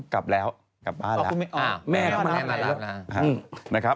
กลับเล้วกลับบ้านละ